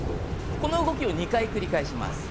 この動きを２回繰り返します。